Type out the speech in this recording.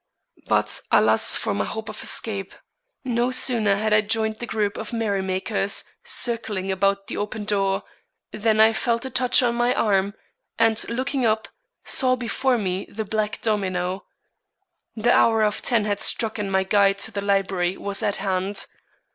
But alas for my hopes of escape! No sooner had I joined the group of merry makers circling about the open door, than I felt a touch on my arm, and looking up, saw before me the Black Domino. The hour of ten had struck and my guide to the library was at hand.